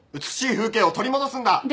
美しい風景を取り戻すんだ！